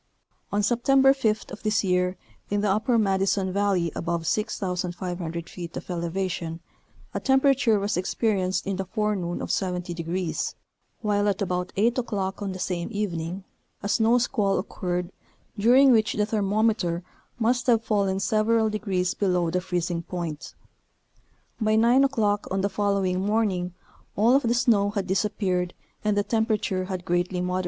On September 5th of this year in the upper Madison Valley above 6500 feet of elevation, a temperature was experienced in the forenoon of 70 degrees, while at about 8 o'clock on the same evening, a snow squall occurred during which the thermometer must have fallen several degrees below the freezing point; by 9 o'clock on the following morning all of the snow had disappeared and the temperature had greatly moderated.